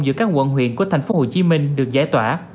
giữa các quận huyện của tp hcm được giải tỏa